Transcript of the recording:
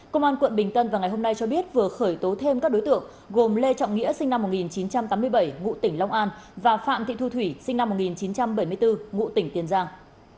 công an quận bình tân vào ngày hôm nay cho biết vừa khởi tố thêm các đối tượng gồm lê trọng nghĩa sinh năm một nghìn chín trăm tám mươi bảy ngụ tỉnh long an và phạm thị thu thủy sinh năm một nghìn chín trăm bảy mươi bốn ngụ tỉnh tiền giang